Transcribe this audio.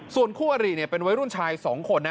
ส่วนคู่อริเป็นวัยรุ่นชาย๒คนนะ